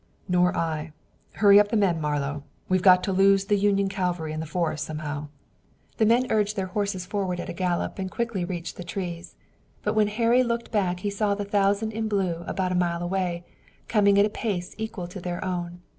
"Nor I. Hurry up the men, Marlowe. We've got to lose the Union cavalry in the forest somehow." The men urged their horses forward at a gallop and quickly reached the trees. But when Harry looked back he saw the thousand in blue about a mile away, coming at a pace equal to their own.